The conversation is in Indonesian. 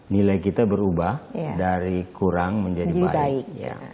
nilai kita berubah dari kurang menjadi baik